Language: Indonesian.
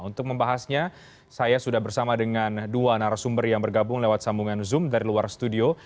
untuk membahasnya saya sudah bersama dengan dua narasumber yang bergabung lewat sambungan zoom dari luar studio